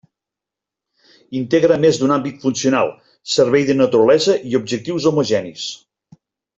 Integra més d'un àmbit funcional servei de naturalesa i objectius homogenis.